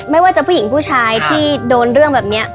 ไม่ว่าจะผู้หญิงผู้ชายที่โดนเรื่องแบบนี้